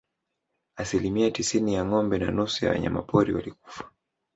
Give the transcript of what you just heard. Asilimia tisini ya ngombe na nusu ya wanyama pori walikufa